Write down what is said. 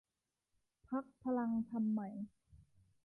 พรรคพลังธรรมใหม่